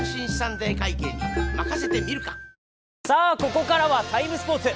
ここからは「ＴＩＭＥ，スポーツ」。